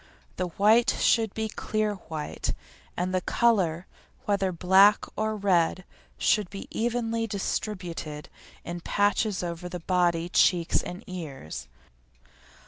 The white should be clear white, and the colour, whether black or red, should be evenly distributed in patches over the body, cheeks, and ears.